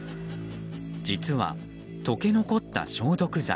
実は溶け残った消毒剤。